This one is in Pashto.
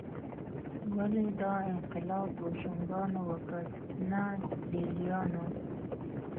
ولې دا انقلاب بوشونګانو وکړ نه لېلیانو